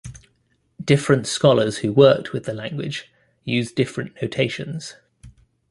Different scholars who worked with the language used different notations.